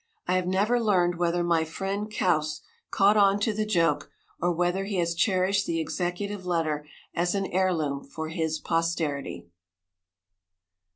I have never learned whether my friend Kouse caught on to the joke, or whether he has cherished the executive letter as an heirloom for his posterity.